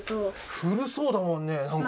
古そうだもんね、なんか。